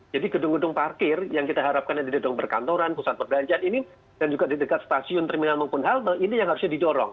jadi gedung gedung parkir yang kita harapkan di gedung berkantoran pusat perbelanjaan ini dan juga di dekat stasiun terminal maupun hal ini yang harusnya didorong